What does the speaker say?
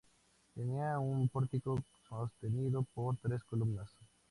Tenía un pórtico sostenido por tres columnas.